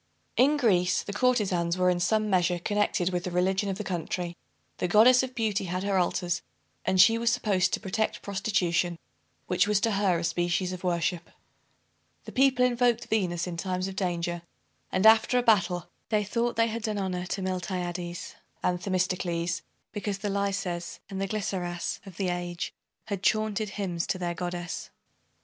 In Greece, the courtezans were in some measure connected with the religion of the country. The Goddess of Beauty had her altars; and she was supposed to protect prostitution, which was to her a species of worship. The people invoked Venus in times of danger; and, after a battle, they thought they had done honor to Miltiades and Themistocles, because the Laises and the Glyceras of the age had chaunted hymns to their Goddess.